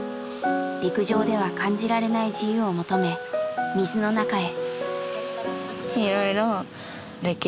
陸上では感じられない自由を求め水の中へ。